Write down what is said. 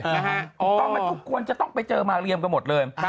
ตอนนั้นทุกคนจะต้องไปเจอมาเรียมกันหมดเลย